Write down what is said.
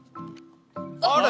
あれ！